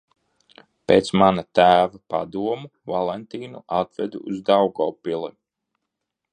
Pēc mana tēva padoma Valentīnu atvedu uz Daugavpili.